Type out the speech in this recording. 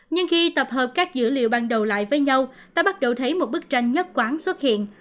nhưng khi tập hợp các dữ liệu ban đầu lại với nhau ta bắt đầu thấy một bức tranh nhất quán xuất hiện